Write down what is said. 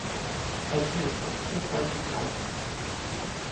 Azure with six argent roundels.